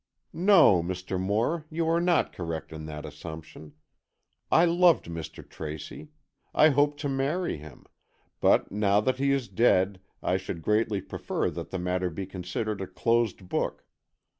"No, Mr. Moore, you are not correct in that assumption. I loved Mr. Tracy, I hoped to marry him, but now that he is dead, I should greatly prefer that the matter be considered a closed book.